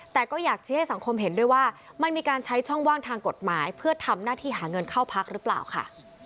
แต่ก็อยากชี้ให้สังคมเห็นด้วยว่ามันมีการใช้ช่องว่างทางกฎหมายเพื่อทำหน้าที่หาเงินเข้าพักหรือเปล่าค่ะ